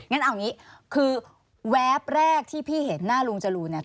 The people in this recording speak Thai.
งั้นเอาอย่างนี้คือแวบแรกที่พี่เห็นหน้าลุงจรูนเนี่ย